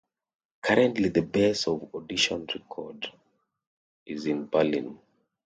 Currently the base of Audition Records is in Berlin.